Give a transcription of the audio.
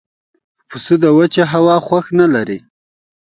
پسه د وچې هوا خوښ نه لري.